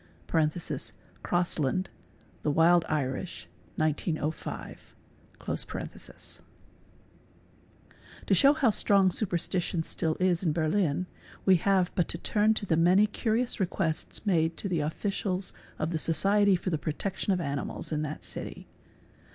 (Crossland, 'The Wild Irish," 1905.) 380 SUPERSTITION To show how strong superstition still is in Berlin we have. but to turn to the many curious requests made to the officials of the Society for the Protection of Animals in that city.